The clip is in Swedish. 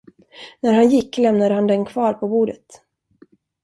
När han gick, lämnade han den kvar på bordet.